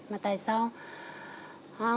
mà tại sao